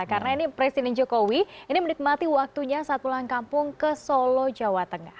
karena ini presiden jokowi ini menikmati waktunya saat pulang kampung ke solo jawa tengah